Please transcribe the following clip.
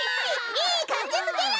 いいかんじすぎる！